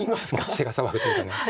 血が騒ぐというか。